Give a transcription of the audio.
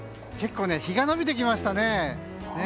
結構日が延びてきましたね。